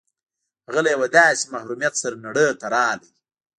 هغه له يوه داسې محروميت سره نړۍ ته راغی.